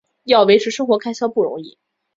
要维持生活开销不容易